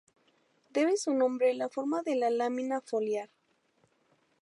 Debe su nombre la forma de la lámina foliar.